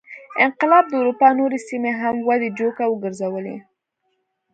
انقلاب د اروپا نورې سیمې هم ودې جوګه وګرځولې.